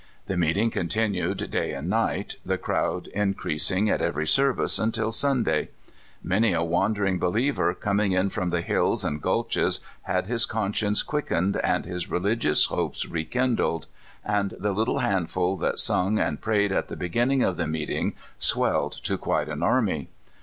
The meetiug continued day and night, the crowd increasing at every service until Sunday. Many a wanderinir believer, coming in from the hills and My First California Camp meeting. 155 gulches, had his conscience quickened and his re ligious hopes rekindled, and the little handful that sung and prayed at the beginning of the meeting swelled to quite an army.